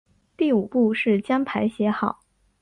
第五步是将牌写好。